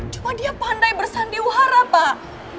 cuma dia pandai bersandiwara pak